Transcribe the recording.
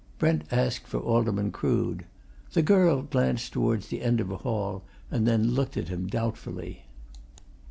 Brent asked for Alderman Crood. The girl glanced towards the end of the hall and then looked at him doubtfully.